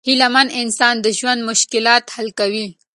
هیله مند انسان د ژوند مشکلات حل کوي.